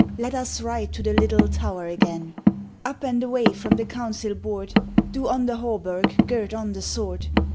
Let us ride to the Little Tower again, Up and away from the council board! Do on the hauberk, gird on the sword.